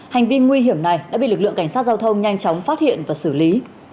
hành vi nguy hiểm này đã bị lực lượng cảnh sát giao thông nhanh chóng phát hiện và xử lý